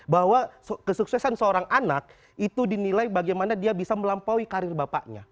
bahwa kesuksesan seorang anak itu dinilai bagaimana dia bisa melampaui karir bapaknya